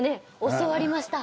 教わりました。